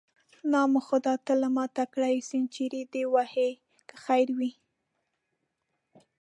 نام خدای، ته له ما تکړه یې، سنچري دې وهې که خیر وي.